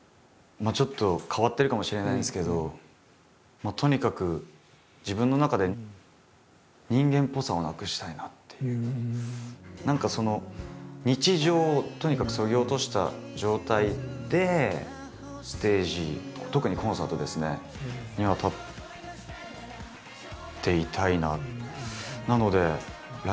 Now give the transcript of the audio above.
まあちょっと変わってるかもしれないんですけどもうとにかく自分の中で何か日常をとにかくそぎ落とした状態でステージ特にコンサートですねには立っていたいなと。